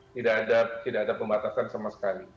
tidak ada pembatasan sama sekali